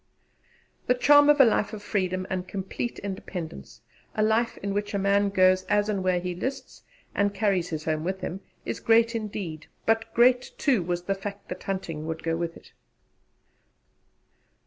The charm of a life of freedom and complete independence a life in which a man goes as and where he lists, and carries his home with him is great indeed; but great too was the fact that hunting would go with it.